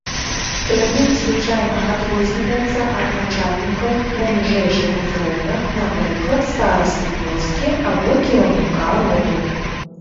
Тэрмін звычайна адрозніваецца ад начальнікаў на ніжэйшых узроўнях, напрыклад, старасты вёскі або кіраўніка роду.